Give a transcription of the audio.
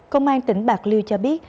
công an tỉnh bạc liêu cho biết